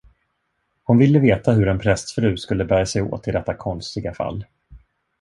Hon ville veta hur en prästfru skulle bära sig åt i detta konstiga fall.